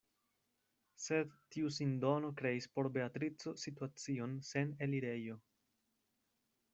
Sed tiu sindono kreis por Beatrico situacion sen elirejo.